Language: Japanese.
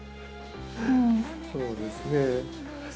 そうですね。